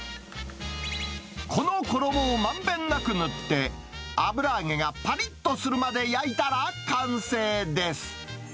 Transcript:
この衣をまんべんなく塗って、油揚げがぱりっとするまで焼いたら完成です。